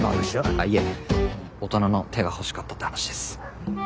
あっいえ大人の手が欲しかったって話です。